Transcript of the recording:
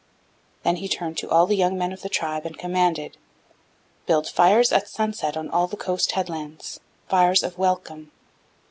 Then he turned to all the young men of the tribe and commanded: 'Build fires at sunset on all the coast headlands fires of welcome.